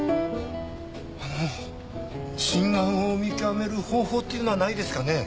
あの真贋を見極める方法っていうのはないですかね？